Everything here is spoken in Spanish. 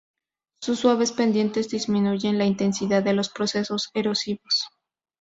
Sus suaves pendientes disminuyen la intensidad de los procesos erosivos.